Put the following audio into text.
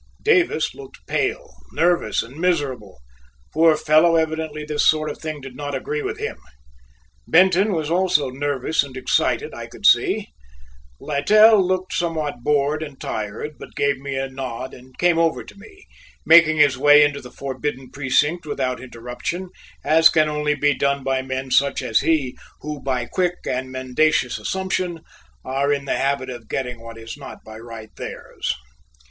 Davis looked pale, nervous, and miserable. Poor fellow, evidently this sort of thing did not agree with him. Benton was also nervous and excited, I could see. Littell looked somewhat bored and tired, but gave me a nod and came over to me, making his way into the forbidden precinct without interruption, as can only be done by men such as he, who by quick and mendacious assumption are in the habit of getting what is not by right theirs.